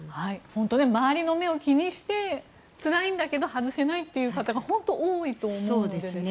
本当に周りの目を気にしてつらいんだけど外せないという方が本当に多いと思うんですよね。